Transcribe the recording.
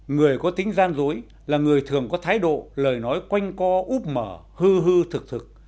người có tính gian dối là người thường có thái độ lời nói quanh co úp mở hư hư thực thực